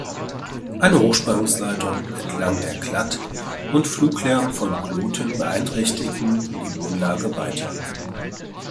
Eine Hochspannungsleitung entlang der Glatt und Fluglärm von Kloten beeinträchtigten die Wohnlage weiter.